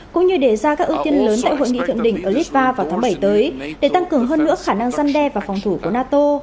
cũng như đề ra các ưu tiên lớn tại hội nghị thượng đỉnh ở litva vào tháng bảy tới để tăng cường hơn nữa khả năng dân đe và phòng thủ của nato